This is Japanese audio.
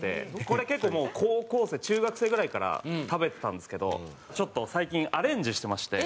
これ結構高校生中学生ぐらいから食べてたんですけどちょっと最近アレンジしてまして。